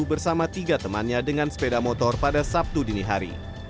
bersama tiga temannya dengan sepeda motor pada sabtu dini hari